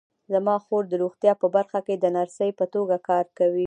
زما خور د روغتیا په برخه کې د نرسۍ په توګه کار کوي